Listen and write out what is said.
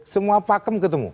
semua pakem ketemu